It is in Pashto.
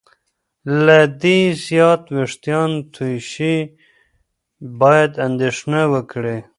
که له دې زیات وېښتان تویې شي، باید اندېښنه وکړې.